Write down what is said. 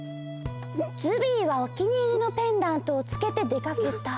ズビーはお気に入りのペンダントをつけて出かけた。